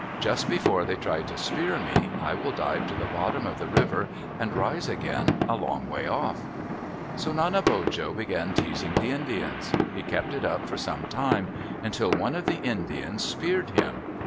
Just before they try to spear me, I will dive to the bottom of the river and rise again a long way off." So Nanebojo began teasing the Indians. He kept it up for some time until one of the Indians speared him.